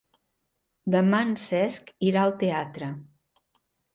Demà en Cesc irà al teatre.